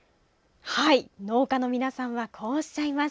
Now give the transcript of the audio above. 農家の皆さんはこうおっしゃいます。